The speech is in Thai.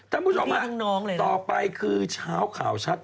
คุณผู้ชมฮะต่อไปคือเช้าข่าวชัด